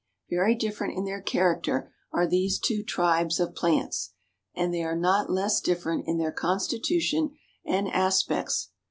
"Very different in their character are these two tribes of plants, and they are not less different in their constitution and aspects.